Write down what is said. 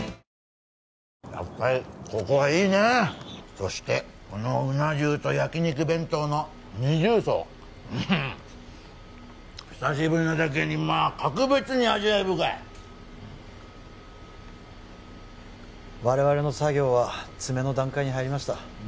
そしてこのうな重と焼肉弁当の二重奏ふふん久しぶりなだけにまあ格別に味わい深い我々の作業は詰めの段階に入りました